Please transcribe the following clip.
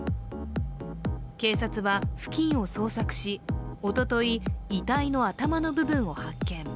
警察は付近を捜索しおととい、遺体の頭の部分を発見。